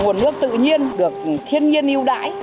nguồn nước tự nhiên được thiên nhiên ưu đãi